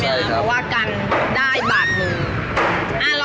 เพราะว่ากันได้บาดมือ